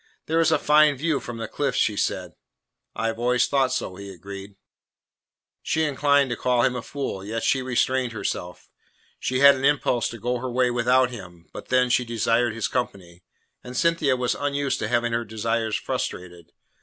"There is a fine view from the cliffs," said she. "I have always thought so," he agreed. She inclined to call him a fool; yet she restrained herself. She had an impulse to go her way without him; but, then, she desired his company, and Cynthia was unused to having her desires frustrated.